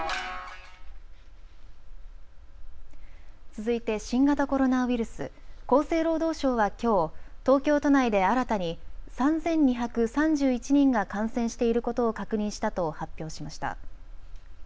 続いて新型コロナウイルス、厚生労働省はきょう東京都内で新たに３２３１人が感染していることを確認したと発表しました。